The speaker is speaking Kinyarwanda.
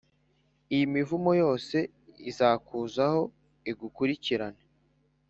iyi mivumo yose izakuzaho, igukurikirane